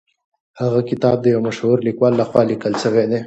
هغه کتاب د یو مشهور لیکوال لخوا لیکل سوی دی.